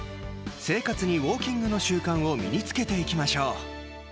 生活にウォーキングの習慣を身に付けていきましょう。